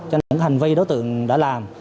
cho những hành vi đối tượng đã làm